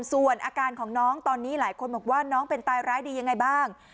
ส่วนอาการของน้องตอนนี้หลายคนบอกว่าน้องเป็นตายร้ายดียังไงบ้าง